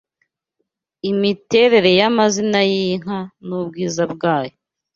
Imiterere y’amazina y’inka n’ubwiza bwayo